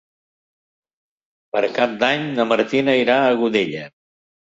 Per Cap d'Any na Martina irà a Godella.